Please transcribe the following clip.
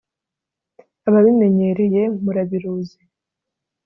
ababimenyereye murabiruzi